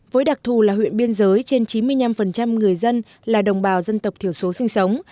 với đặc thù là huyện biên giới trên chín mươi năm người dân là đồng bào dân tộc thiểu số sinh sống